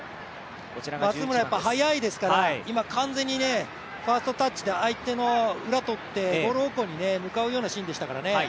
松村速いですから今、完全にファーストタッチで相手の裏をついて、ゴール方向に向かうようなシーンでしたからね。